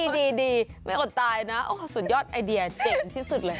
ดีไม่อดตายนะโอ้โหสุดยอดไอเดียเจ๋งที่สุดเลย